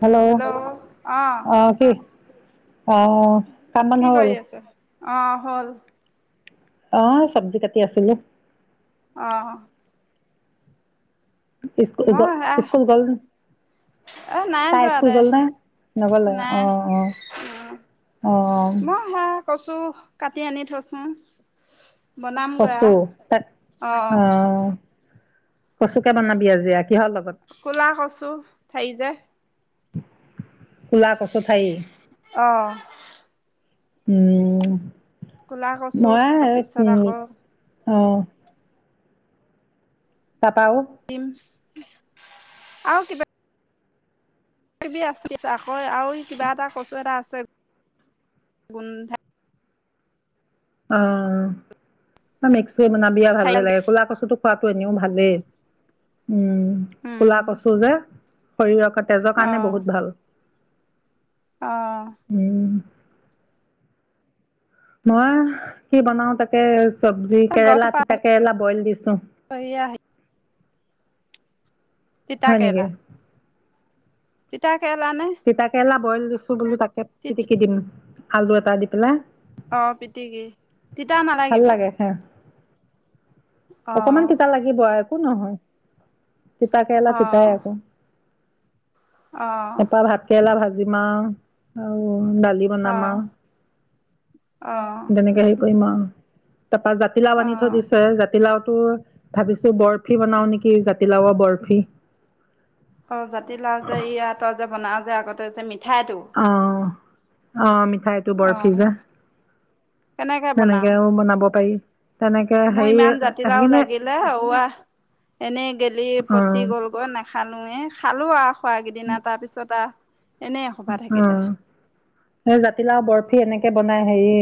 Hello অ', অঁ কি অঁ কামবন হ'ল। অঁ, হ'ল। অঁ, চব্জি কাটি আছিলো। অঁ। স্কুল মই গ'ল- সেয়া স্কুল গ'ল এ নাই তাই যোৱা স্কুল দে গ'ল নে, নগ'লে নাই অ', অ' অ', অঁ। মই সেয়া কচু কাটি আনি থৈচো। কচু, তা অঁ। কচুকে বনাবি আজি কিহৰ লগত কোলা কছো, ঠাই যে কোলা কচু ঠাই অঁ। উম। কোলা কছো মই তাৰপিছত আকৌ অঁ। তাপা আও দিম আৰু কিবা কিবি আছে আকৌ আৰু কিবা এটা কচু এটা আছে গোন্ধা অঁ, মে [unintelligible] ঠাৰিডাল ভালেই লাগে, ক'লা কচুটো খোৱাতো এনেও ভালেই। উম, ক'লা উম, কছো যে শৰীৰৰ ক তেজৰ কাৰণে বহুত ভাল। অঁ। উম, মই কি বনাও তাকে চব্জি, কেৰেলা গছজোপা তিতা কেৰেলা, বইল দিছো। সেয়া তিতা হয় নেকি কেৰেলা। তিতাক। খেলানে। তিতা কেৰেলা বইল দিছো বোলো তাক পিটিকি দিম। আলু এটা দি পেলা আহ পিতিকি। তিতা ভাল নালাগিব। লাগে খাই অ অকমান তিতা লাগিব। একো নহয়। তিতাকেৰেলা অ তিতাই আকৌ। অ এপা ভাত কেৰেলা ভাজ ডিমা আৰু। দালি অ অ বনাম আ তেনেকে হেৰি কৰিম আ তাৰপা জাতি লাউ অ আনি থৈদিছে জা জাতিলাওটো ভাবিছো বৰফি, বনাও নেকি জাতিলাওৰ বৰফি। অ জাতি লাহ যে ই তই যে বনা। যে আগতে মিঠাইটো আহ। অ মি। আহ কেনেকে বনাও, তেনেকেও বনাব পাৰি তেনেকে মোৰ হেৰি ইমান জাতিলাও সেইখিনি লাগিলে এনেই গেলি পচি উম গল গৈ নাখালোৱে খালো আৰু খোৰা কিদিনা তাৰ পিছত আহ। এনে এ সপা থাকিলে। উম এই জাতিলাও বৰফি এনেকে বনাই হেৰি,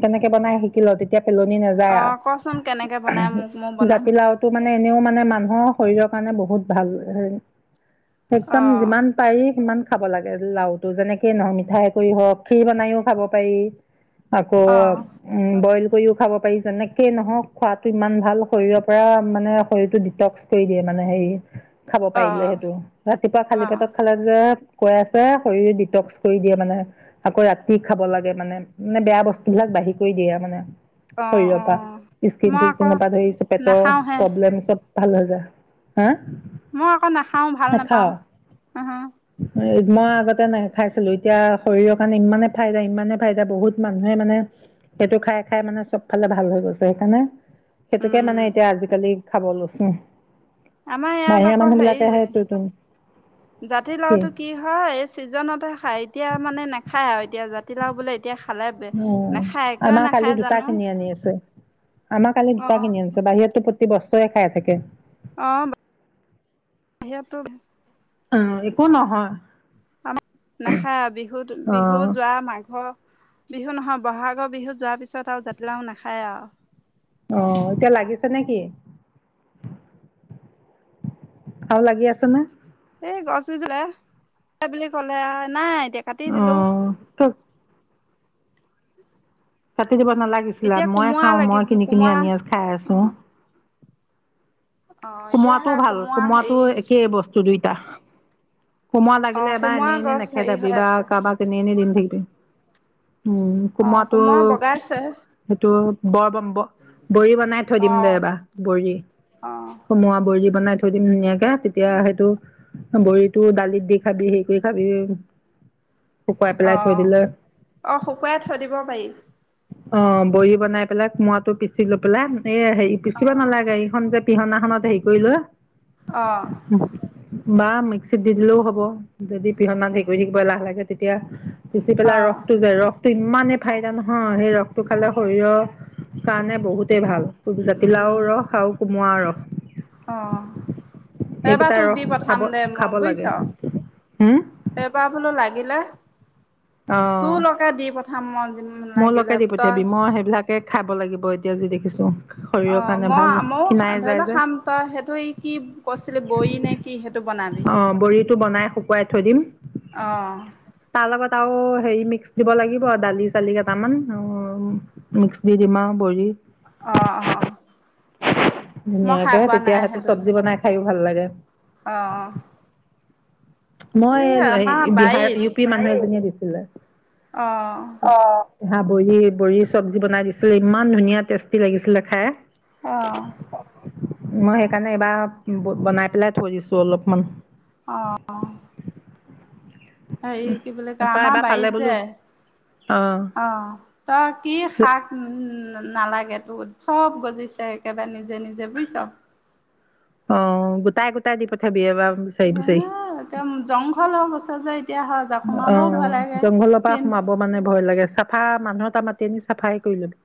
কেনেকে বনাই শিকিল পেলনি নাযায় অ কচোন কেনেকে বনাই আৰু, মোক মই বনাম জাতিলাওতটো মানে এনেও মানে মানুহৰ শৰীৰৰ কাৰণে বহুত ভাল। অ একদম যিমান পাৰি সিমান। খাব লাগে। লাওটো যেনেকে নহক মিঠাই কৰি হওক কীৰ বনাইও খাব পাৰি। আকৌ অ উ বইল কৰিও খাব পাৰি যেনেকে নহওক খোৱাটো ইমান ভাল শৰীৰৰ পৰা মানে শৰীৰটো ডিটক্স কৰি দিয়ে মানে হেৰি। খাব পাৰিলে সেইটো ৰাতিপুৱা অ খালী অ পেটত খালে যে [unintelligible] শৰীৰ ডিটক্স কৰি দিয়ে মানে আকৌ ৰাতি খাব লাগে মানে, মানে বেয়া বস্তু বিলাক বাহিৰ কৰি দিয়ে আৰু মানে। অঁ শৰীৰৰ পৰা অঁ মই স্কিন আকৌ চিস্কিনৰ পৰা ধৰি চব পেটৰ নাখাওঁহে প্ৰব্লেম চব। ভাল হৈ যায়। হা মই আকৌ নাখাও, ভাল নাপাওঁ নাখাৱ হ, হ। মই আগতে নেখাইছিলো। এতিয়া শৰীৰৰ কাৰণে ইমানে ফাইদা, ইমানে ফাইদা বহুত মানুহে মানে সেইটো খাই, খাই মানে চব ফালে ভাল হৈ গৈছে সেইকাৰণে। সেইটোকে মানে এতিয়া আজিকালি খাব লৈছোঁ। আমাৰ ইয়াত বাহিৰা আকৌ মানুহবিলাকে সেইটোতো হেৰি জাতিলাওঁটো কি হয়, ছিজনতে খাই এতিয়া মানে নাখায় আৰু এতিয়া জাতিলাও বোলে এতিয়া খালে উম, নাখায় কিয় আমাৰ নাখায় কালি দুটা জানো কিনি আনিছো আমাৰ কালি দুটা অঁ কিনি আনিছে বাহিৰতো বস্তুৱে খাই থাকে। অ' [unintelligible] অ', একো নহয়। আমাৰ নাখায় বিহুত, বিহু অঁ যোৱা মাঘৰ বিহু নহয়, বহাগৰ বিহু যোৱাৰ পিছত আৰু জাতিলাওঁ নাখায় আৰু। অ', এতিয়া লাগিছে নেকি? আৰু লাগি আছে ন। এই গছ ৰুইছিলে বুলি ক'লে আৰু নাই। এতিয়া কাটি দিলো। অঁ কাটি দিব নালাগিছিলে, এতিয়া মই কোমোৰা খাওঁ মই লাগিব কিনি কিনি কোমোৰা আনি আনি খাই আছো। অ'। অ', এতিয়া সে কোমোৰাটোও ভাল, কোমোৰা হেৰি কোমোৰাটোও একেই বস্তু দুই [unintelligible] কোমোৰা লাগিলে অ', এবাৰ কোমোৰা এনে, এনে গছ হেৰি নেখেদাবি হৈ বা আছে কাৰোবাক এনেই এনেই দি নেথাকিবি। [inaudible] উম, অ', কোমৰাটো কোমোৰা বগাইছে। সেইটো [unintelligible] বৰি বনাই থৈ দিম দে অ'। এবাৰ বৰি। অ', কোমোৰা বৰি বনাই [unintelligible] তেতিয়া সেইটো বৰিটো দালিত দি খাবি হেই কৰি খাবি। শুকুৱাই অ', পেলাই থৈ দিলে অ' শুকুৱাই থৈ দিব পাৰি। অ', বৰি বনাই পেলাই কুমোৰাটো পিচি লৈ পেলাই। এ হেৰি পিচিবা অ', নালাগে এইখন যে পিহনাখনত হেৰি কৰি লোৱা আহ বা মিক্সিত দি দিলেও হ'ব যদি পিহনমান [unintelligible] েক থাকিবা লাহে লাগে তেতিয়া গুচি পেলা অ'। ৰস টো যায় ৰস টো ইমানেই ফাইদা নহয় অ সেই ৰসটো খালে শৰীৰৰ কাৰণে বহুতেই ভাল উম, জাতিলাও ৰস আৰু কোমোৱাও ৰস অ এইবাৰ এইকেইটা তোক ৰস দি খাব পঠাম দে খাব মই লাগে বুজিছ হম এইবাৰ বোলো লাগিলে তোৰ লগত দি পঠাম মই যে মোৰ লগকে দি পঠিয়াবি মই সেইবিলাকে খাব লাগিব এতিয়া যিদে কিছোঁ অ মই মৌ ধৰি লওক যে খাম তই সেইটো কি কৈছিলি বহ নে কি বনাবি। অ বৰিটো বনাই শু পুৱাই থৈ দিম আহ তাৰ লগত আৰু হে মিক্স দিব লাগিব দালি চালি কেইটামান আৰু মিক্স দি দিম আৰু ভৰি অ অ মই খাই ধুনীয়াকে পোৱা তেতিয়া নাই সেটো সেইটো চবজি বনাই খাইও ভাল লাগে অ', এই মই আমাৰ বিহাৰ বাৰীত ইউ পি মানুহ এজনীয়ে দিছো ছিলে অঁ হা বৰি বৰি চব্জি বনাই দিছিলে ইমান ধুনীয়া টেষ্টি লাগিছিলে খাই অ', মই সেইকাৰণে এইবাৰ বনাই পেলাই থৈ দিছো অলপমান আহ হ কি বুলি ক তাৰপা আমাৰ এবাৰ পালে বাৰীত বোলো যে অ ত কি শাক নালাগে তো চব গজিছে একেবাৰে নিজে নিজে বুজিছ অ গোটাই গোটাই দি প হ একদম জংঘল হৈ গৈছে যে এতিয়া সজা অ কমাবও ভয় লাগে জংঘলৰ পৰা কিন্ত সোমাব মানে ভয় লাগে চাফা মানুহৰ [unintelligible] তটা মাতি আনি চাফাই কৰি লব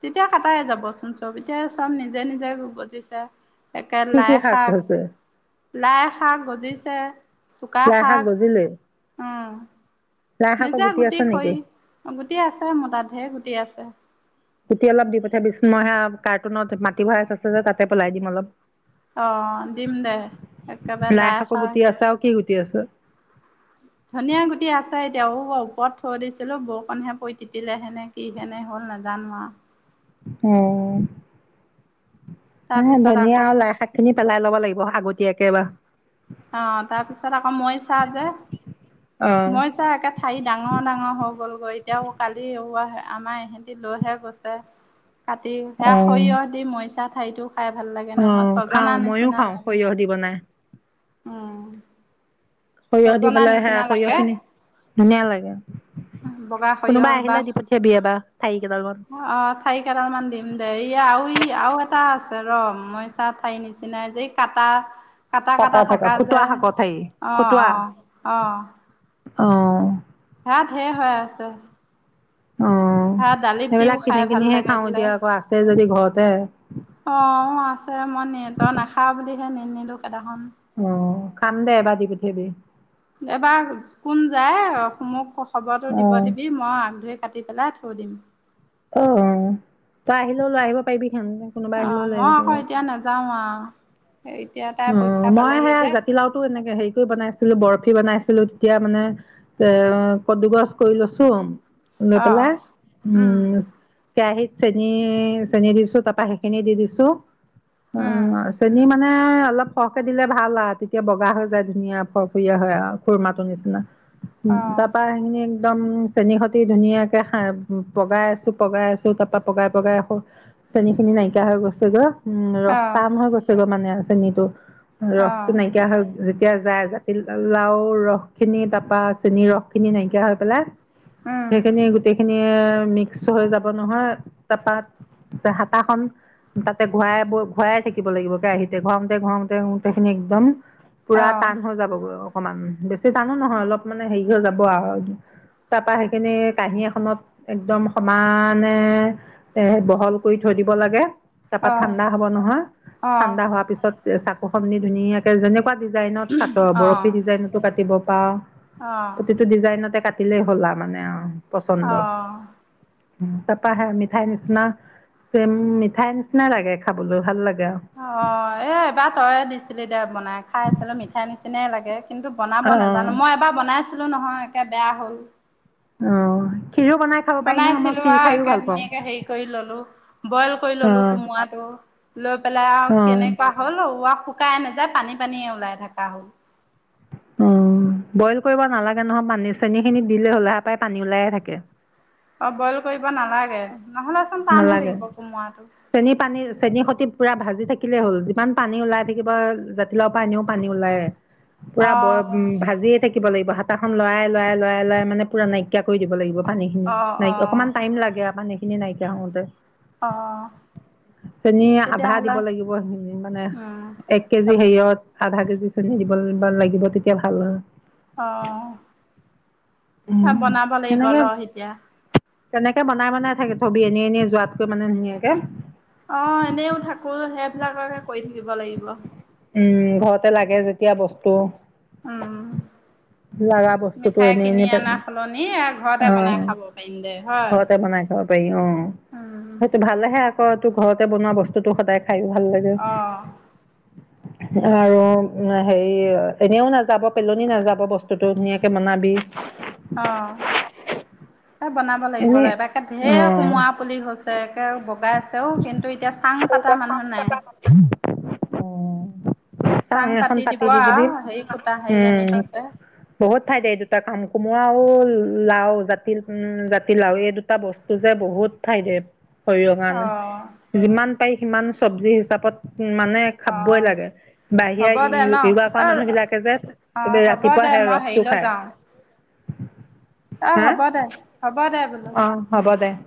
তেতিয়া কটাই যাবচোন চব এতিয়া চব নিজে নিজে বজিছো একে কি কি লাই শাক হৈছে লাই শাক গজিছে চুকা লাই শাক গজিলে লাই শাকৰ নিজে গুটি আছে নেকি খৰি গুটি আছে মো তাত ঢেৰ গুটি আছে গুটি অলপ দি পঠাবি চোন মই সেই আৱ কাৰ্টুনত মাটি ভৰাই থৈছে যে তাতে পেলাই দিম অলপ অ দিম দে একেবাৰে লাই শাক ইতি আছ ধনিয়া গুটি আছে এতিয়া ওপৰত থৈ দিছিলো বৰষুণহে পৰি তিতিলে হেনে কি হেনে হ'ল নেজানো আৱ অ হে তাৰপিছত ধুনীয়া আকৌ আৰু লাই শাক খিনি পেলাই ল লাগিব আগতীয়াকে বা অ তাৰপিছত আকৌ মইচা যে অ মইচা একে ঠায়ি ডাঙৰ ডাঙৰ হৈ গ'লগৈ এতিয়াও কালি ৱা আমাৰ ইহঁতি লৈহে গৈছে কাটি অ সেয়া সৰিয়হ দি মৰি এটা ঠাইটো অ খাওঁ মইও খাওঁ লাগে। সৰিয়হ দি বনাই উম সৰিয়হ দি ছজনা পেলাই সেয়া নিচিনা সৰিয়হ লাগে খিনি ধুনীয়া লাগে বগা কোনোবা সৰিয়হ বা আহিলে দি পঠিয়াবি এবাৰ ঠাৰি কেইডালমান আহ ঠাৰি কেইডাল মান দিম দে ইয়া আ ই আৰু এটা আছে ৰ মইচা ঠাই নিচিনাই যে কাটা কাটা থাকা খুটোৱা শাকৰ ঠায়ি অ' অ' অ' অ' সেয়া ধেৰ হৈ আছে অ ভাত দালিত দিও সেইবিলাক কিনি খাই ভাল কিনিহে লাগে খাও বোলে এতিয়া আকৌ আছে যদি ঘৰতে অ আছে মই নিহ তই নেখাওঁ বুলিহে হে নিনিলো কেদাখন অ খাম দে এবা দি পঠিয়াবি এবাৰ কোন যায় মোক খবৰটো দিব অ', দিবি মই আগ ধৰি কাটি পেলাই থৈ দিম অ তই আহিলেও লৈ আহিব পাৰিবি হেন কোনোবা আহিলেও অ' লৈ মই আহিব আকৌ এতিয়া নাযাওঁ আৰু। এতিয়া তাই উ পৰীক্ষা মই পালেহি সেয়া যে জাতিলাওতো এনেকে হেৰি কৰি বনাইছিলো বৰফি বনাইছিলো ছিলো তেতিয়া মানে এ কদুগছ কৰি লৈছোঁ লৈ অ'। পেলাই উম কেৰাহীত চেনি চেনি দিছোঁ তাপা সেইখিনি দি দিছোঁ অ উম, চেনি মানে মানে অলপ হৰহকে দিলে ভাল আৰু তেতিয়া বগা হৈ যায় ধুনীয়া ফৰফৰীয়া হয় আৰু খুুৰমা টোৰ নিচিনা অ', তাপা হে একদম চেনীৰ সৈতে ধুনীয়াকে খ পগাই আছো পগাই আছো তাৰ পৰাা পগাই পগাই আকৌ চেনীখিনি নাইকিয়া হৈ গৈছেগৈ। উম ৰস অ', টান হৈ গৈছে গৈ মানে হয় ত ৰসটো অ', নাইকিয়া হল এতি যায় জাতি লাও ৰস খিনি তাৰপা চেনীৰ ৰস খিনি নাইকিয়া হৈ পেলাই, উম। সেইখিনি গোটেইখিনি মিক্স হৈ যাব নহয় তাৰপা হাতা খন তাতে ঘৰাই ঘৰাই থাকিব লাগিব কেৰাহিতে ঘৰা ঘুওঁতে ঘুন্তে সেখিনি একদম পোৰা অ', টান হৈ যাবগৈ অ অকমান বেছি বেছি টানো নহয় অলপ মানে হেৰি হৈ যাব আৰু তাৰ পৰাা সেইখিনি কাহী এখনত একদম সমানে এ বহল কৰি থৈ দিব লাগে। তাৰপা অ', ঠাণ্ডা হব নহয় অ', ঠাণ্ডা হোৱাৰ পিছত চাকু খন নি ধুনীয়াকে যেনে কেনেকুৱা ডিজাইনত কাত বৰফী অ', ডিজাইনতো কাটিব বা অ', প্ৰতিটো ডিজাইনতে কা থাকিলে হ'লা মানে অ। আহ। তাৰাপা মিঠাই নিচিনা মিঠাই নিচিনা লাগে খাবলৈ ভাল লাগে। অ', এ [unintelligible] এবাৰ তইয়ে দিছিলি দে বনাই খাই আছিলো মিঠাই নিচিনাই লাগে। কিন্তু বনাব অঁ নাজানো মই এবাৰ বনাইছো আছিলো নহয় একে বেয়া হ'ল। অ। বনাই আছিলো আহ একে পাওঁ ধুনীয়াকে হেৰি কৰি ললো বইল কৰি ললো অঁ কোমোৰাটো। লৈ পেলাই আৰু অঁ কেনেকুৱা হ'ল শুকাই নাযায় পানী পানীয়ে ওলাই থকা হ'ল। অ বইল কৰিব নালাগে নহয় মানী চেনী খিনি দিলে হ'লোহে পৰাায় পানী ওলাইে থাকে। অ বইল কৰিব নালাগে। নহ'লেচোন টান হৈ নালাগে থাকিব কোমোৰাটো। চেনী পানী চেনীৰ সতি পুৰা ভাজি থাকিলেই হ'ল যিমান পানী ওলাই থাকিব জাতিলাউ পৰা আনিও পানী ওলাই। পুৰা ব উ অ', ভাজিয়ে থাকি কিব লাগিব হাতাখন লৰাই লৰাই লৰাই লৰাই মানে পুৰা নাইকিয়া কৰি দিব লাগিব। পানী খিনি অ', নাই অ', অকমান টাইম লাগে পানী ন [unintelligible] তেওঁতে। অ', চেনি আধা দিব তেতিয়াহ'লে লাগিব, মানে উম, এক কেজি অ', হেৰিয়ত। আধা কেজি চেনি দিব লিব লাগিব তেতিয়া ভাল হয়। উম, অ বনাব লাগিব ৰ এতিয়া। কেনেকে বনাই বনাই থাকে। ছবি এনেই এনেই যোৱাতকৈ মানে ধুনীয়াকে। অ এনেও থাকো সেইবিলাককে কৰি [inaudible] উম ঘৰতে লাগে যেতিয়া বস্তু। উম লগা বস্তুতটো মিঠাই এনেই কিনি এনে প, অনা সলনি ঘৰতে অ বনাই খাব পাৰিম দে হয় ঘৰতে বনাই খাব পাৰি অ, উম সেইটো ভালেহে আ। তো ঘৰতে বনোৱা বস্তুতটো সদায়। খাই ভাল লাগে। অ আৰু হেৰি এনেও নাযাব পেলনি নাযাব বস্তুতটো, ধুনীয়াকে বনাবি। আহ। বনাব লাগিব এনেই ৰ এবাৰকে ঢেৰ কোমোৰা অঁ পুলি হৈছে, একে বগাইছেও, কিন্তু এতিয়া চাং পাতা মানুহ নাই। চাং এখন পাতি দিব দি দিবি। আৰু হেৰি কুটা হেৰি আনি উম, থৈছে বহুত ঠাইত এই দুটা কাম কোম। লাও ল লাও জাতি উম্ [inaudible] জাতি লাও এই দুটা বস্তু যে বহুত ঠাই দে। শৰীৰৰ অ কাৰণে যিমান। পাই সিমান চব্জি হিচাপত। উ মানে অ খাবই লাগে, হ'ব দে ন বাহিৰা [inaudible] অ মানুহ বিলাকে যে অ এই হ'ব ৰাতিপুৱা দে সেই মই ৰসটো হেৰিলৈ খায়। যাওঁ উ [inaudible] অ হ'ব দে, হ'ব দ। অ হ'ব দে [inaudible]